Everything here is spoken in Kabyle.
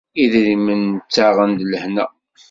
Idrimen ttaɣen-d lehna?